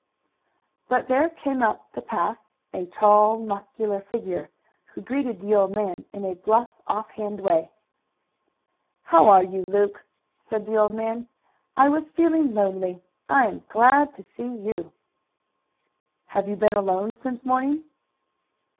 But there came up the path a tall, muscular figure, who greeted the old man in a bluff, off hand way. "How are you, Luke?" said the old man. "I was feeling lonely. I am glad to see you." "Have you been alone since morning?"